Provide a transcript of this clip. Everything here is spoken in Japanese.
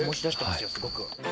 すごく。